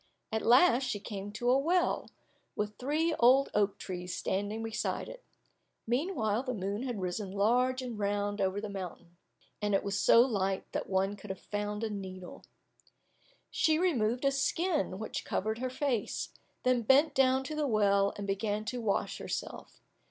At last she came to a well, with three old oak trees standing beside it; meanwhile the moon had risen large and round over the mountain, and it was so light that one could have found a needle. She removed a skin which covered her face, then bent down to the well, and began to wash herself.